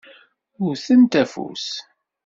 Wwtent afus.